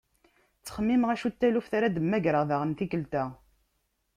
Ttxemmimeɣ acu n taluft ara d-mmagreɣ daɣen tikkelt-a.